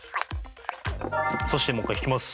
そしてもう一回引きます。